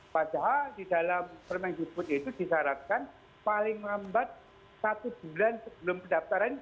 padahal di dalam permendikbud itu disyaratkan paling lambat satu bulan sebelum pendaftaran